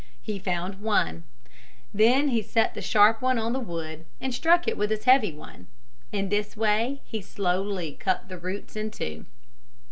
He found one. Then he set the sharp one on the wood and struck it with the heavy one. In this way he slowly cut the roots in two.